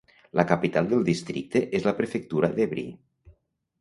La capital del districte és la prefectura d'Évry.